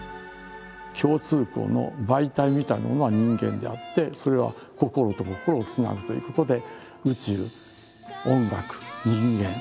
共通項の媒体みたいなものは人間であってそれは心と心をつなぐということで。